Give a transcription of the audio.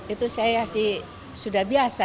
itu saya sih sudah biasa